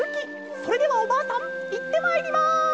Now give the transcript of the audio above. それではおばあさんいってまいります！」。